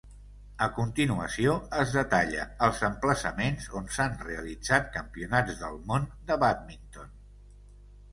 A continuació es detalla els emplaçaments on s'han realitzat Campionats del Món de bàdminton.